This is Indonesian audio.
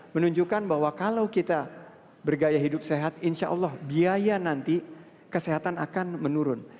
menunjukkan bahwa kalau kita bergaya hidup sehat insya allah biaya nanti kesehatan akan menurun